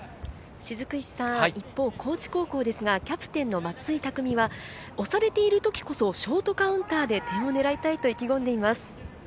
一方、高知高校ですがキャプテンの松井匠は、押されている時こそショートカウンターで点を狙いたいと意気込んでいます。